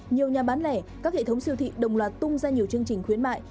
nhiều nhà bán lẻ các hệ thống siêu thị đồng loạt tung ra nhiều chương trình khuyến mại